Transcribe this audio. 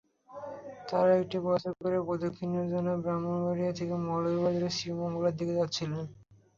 তাঁরা একটি বাসে করে প্রশিক্ষণের জন্য ব্রাহ্মণবাড়িয়া থেকে মৌলভীবাজারের শ্রীমঙ্গলের দিকে যাচ্ছিলেন।